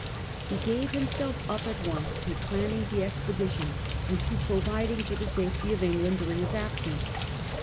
He gave himself up at once to planning the expedition, and to providing for the safety of England during his absence.